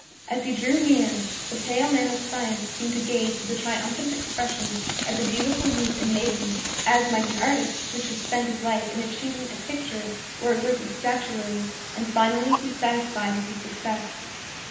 As he drew near, the pale man of science seemed to gaze with a triumphant expression at the beautiful youth and maiden, as might an artist who should spend his life in achieving a picture or a group of statuary and finally be satisfied with his success.